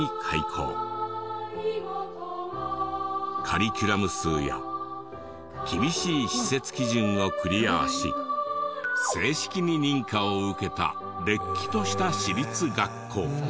カリキュラム数や厳しい施設基準をクリアし正式に認可を受けたれっきとした私立学校。